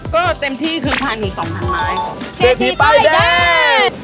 ก็เต็มที่คือพันถึงสองพันไม้เสธีป้ายแดง